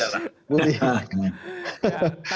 mas pulih lah